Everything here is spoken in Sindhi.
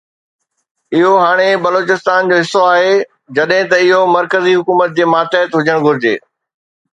اهو هاڻي بلوچستان جو حصو آهي جڏهن ته اهو مرڪزي حڪومت جي ماتحت هجڻ گهرجي.